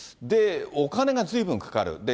お金がずいぶんかかる。